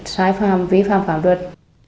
sai phạm vi phạm pháp luật